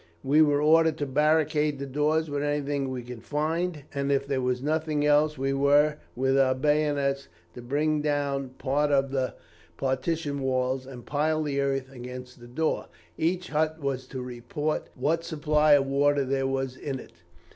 We were ordered to barricade the doors with anything we could find, and if there was nothing else, we were, with our bayonets, to bring down part of the partition walls and pile the earth against the door. Each hut was to report what supply of water there was in it.